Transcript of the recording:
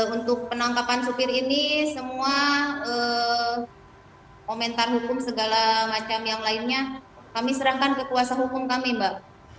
untuk penangkapan supir ini semua komentar hukum segala macam yang lainnya kami serahkan ke kuasa hukum kami mbak